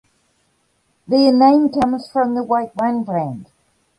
Their name comes from the white wine brand.